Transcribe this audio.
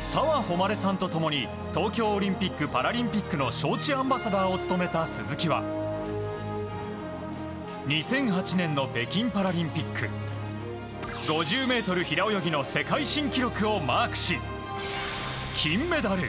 澤穂希さんとともに東京オリンピック・パラリンピックの招致アンバサダーを務めた鈴木は２００８年の北京パラリンピック５０ｍ平泳ぎの世界新記録をマークし金メダル。